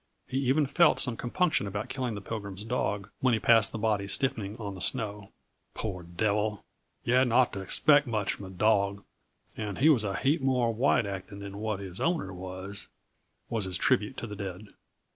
He even felt some compunction about killing the Pilgrim's dog, when he passed the body stiffening on the snow. "Poor devil! Yuh hadn't ought to expect much from a dawg and he was a heap more white acting than what his owner was," was his tribute to the dead.